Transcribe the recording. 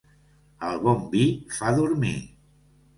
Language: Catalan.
El bon vi fa dormir.